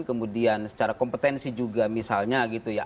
kemudian secara kompetensi juga misalnya gitu ya